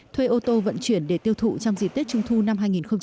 thuê ô tô vận chuyển để tiêu thụ trong dịp tết trung thu năm hai nghìn một mươi chín